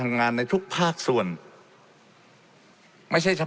และมีผลกระทบไปทุกสาขาอาชีพชาติ